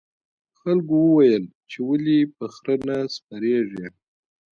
خلکو وویل چې ولې په خره نه سپریږې.